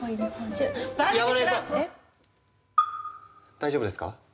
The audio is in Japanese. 大丈夫ですか？